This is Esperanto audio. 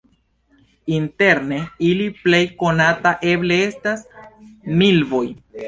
Inter ili plej konata eble estas milvoj.